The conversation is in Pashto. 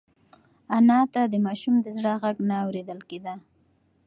انا ته د ماشوم د زړه غږ نه اورېدل کېده.